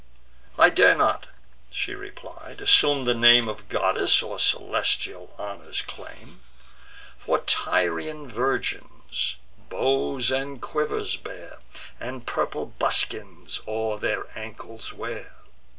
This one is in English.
"I dare not," she replied, "assume the name Of goddess, or celestial honours claim: For Tyrian virgins bows and quivers bear, And purple buskins o'er their ankles wear.